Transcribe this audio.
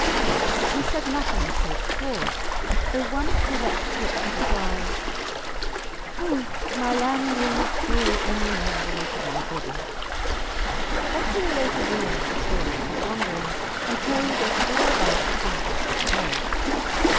He said nothing as to its cause, though once he let slip with a sigh, Ha! my land will not feel any more the weight of my body. But he related willingly the story of his wanderings, and told us all about the conquest of the bay.